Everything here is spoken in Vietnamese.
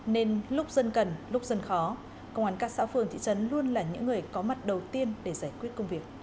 nên lúc dân cần lúc dân khó công an các xã phường thị trấn luôn là những người có mặt đầu tiên để giải quyết công việc